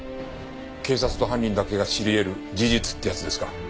警察と犯人だけが知り得る事実ってやつですか。